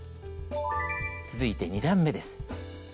続いて２段めです。